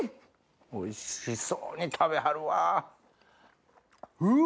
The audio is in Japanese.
おいしそうに食べはるわ。